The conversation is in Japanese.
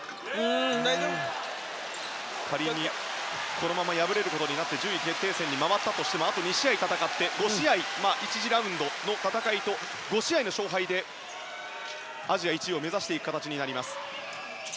このまま敗れることになって順位決定戦に回ったとしてもあと２試合戦って１次ラウンドの戦いと５試合の勝敗でアジア１位を目指していきます。